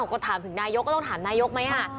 ก็ถามถึงนายกก็ต้องถามนายกไหม